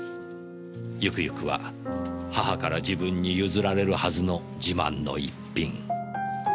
ゆくゆくは母から自分に譲られるはずの自慢の一品。